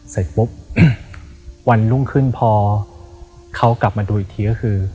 เสร็จปุ๊บวันรุ่งขึ้นพอเขากลับมาดูอีกทีก็คือ